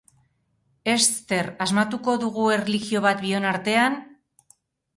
Eszter, asmatuko dugu erlijio bat bion artean?